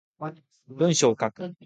文章を書く